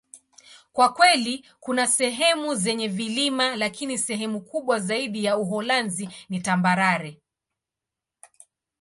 Kwa kweli, kuna sehemu zenye vilima, lakini sehemu kubwa zaidi ya Uholanzi ni tambarare.